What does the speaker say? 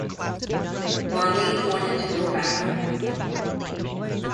Marlene wanted to go back home.